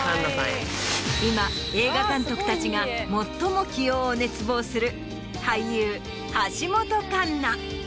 今映画監督たちが最も起用を熱望する。